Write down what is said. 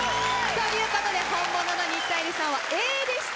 ということで本物の新田恵利さんはＡでした。